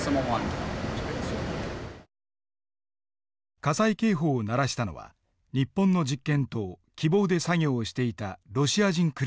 火災警報を鳴らしたのは日本の実験棟「きぼう」で作業をしていたロシア人クルーだった。